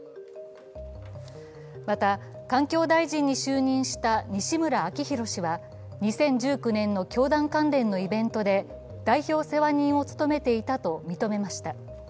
また、環境大臣に就任した西村明宏氏は２０１９年の教団関連のイベントで代表世話人を務めていたと認めました。